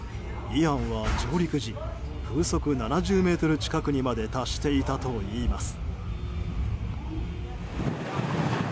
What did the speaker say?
イアンは上陸時風速７０メートル近くにまで達していたといいます。